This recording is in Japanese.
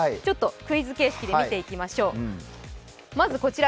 クイズ形式で見ていきましょう。